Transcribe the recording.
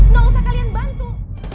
gak usah kalian bantu